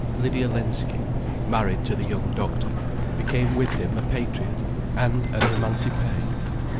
Lydia Lensky, married to the young doctor, became with him a patriot and an émancipée.